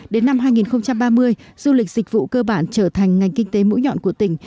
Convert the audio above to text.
đến năm hai nghìn ba mươi du lịch dịch vụ cơ bản trở thành ngành kinh tế mũi nhọn của tỉnh